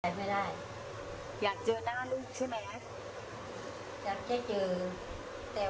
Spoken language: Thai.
หญ้าได้ไม่ได้